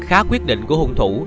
khá quyết định của hùng thủ